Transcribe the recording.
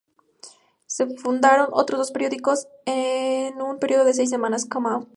Se fundaron otros dos periódicos en un periodo de seis semanas: "Come Out!